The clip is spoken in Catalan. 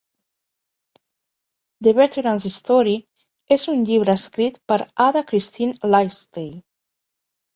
"The Veteran's Story" és un llibre escrit per Ada Christine Lightsey.